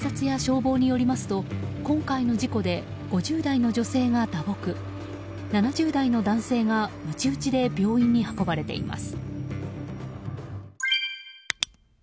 警察や消防によりますと今回の事故で５０代の女性が打撲７０代の男性がむち打ちで病院に運ばれています。